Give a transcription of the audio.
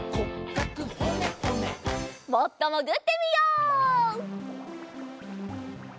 もっともぐってみよう。